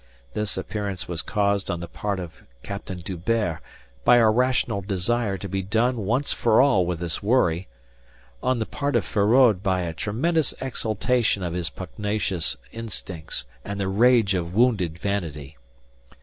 This appearance was caused on the part of Captain D'Hubert by a rational desire to be done once for all with this worry; on the part of Feraud by a tremendous exaltation of his pugnacious instincts and the rage of wounded vanity.